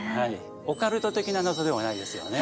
オカルト的な謎ではないですよね。